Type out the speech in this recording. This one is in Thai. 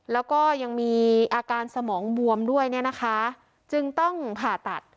แล้วก็ยังมีอาการสมองบวมด้วยเนี่ยนะคะจึงต้องผ่าตัด